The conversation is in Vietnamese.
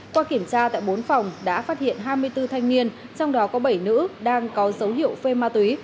qua kiểm tra tại bốn phòng đã phát hiện hai mươi bốn thanh niên trong đó có bảy nữ đang có dấu hiệu phê ma túy